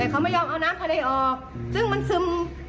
เขาไม่ยอมเอาน้ำทะเลออกซึ่งมันซึม